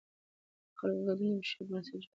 د خلکو ګډون د مشروعیت بنسټ جوړوي